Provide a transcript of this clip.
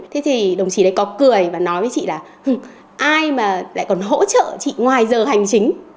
thế thì đồng chí đấy có cười và nói với chị là ai mà lại còn hỗ trợ chị ngoài giờ hành chính